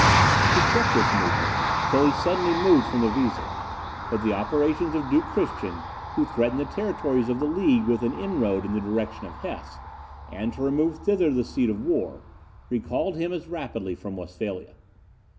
To check this movement, Tilly suddenly moved from the Weser; but the operations of Duke Christian, who threatened the territories of the League with an inroad in the direction of Hesse, and to remove thither the seat of war, recalled him as rapidly from Westphalia.